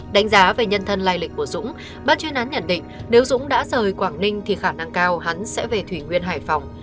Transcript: đánh giá về nhân thân lai lịch của dũng bác chuyên án nhận định nếu dũng đã rời quảng ninh thì khả năng cao hắn sẽ về thủy nguyên hải phòng